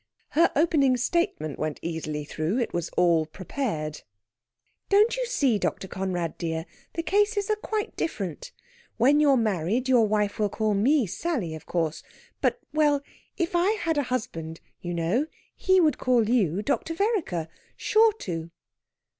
Her opening statement went easily though; it was all prepared. "Don't you see, Dr. Conrad dear, the cases are quite different? When you're married, your wife will call me Sally, of course. But ... well, if I had a husband, you know, he would call you Dr. Vereker. Sure to!"